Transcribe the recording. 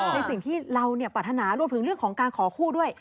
ในสิ่งที่เราปรารถนารวมถึงเรื่องของการขอคู่ด้วย